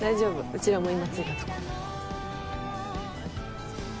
うちらも今着いたとこ。